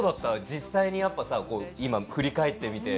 実際にやっぱさ今振り返ってみて。